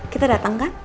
kita dateng kan